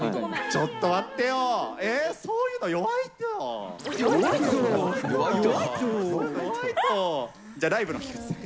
ちょっと待ってよ、そういうの弱いのよ。